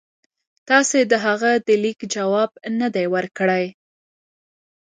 تاسي د هغه د لیک جواب نه دی ورکړی.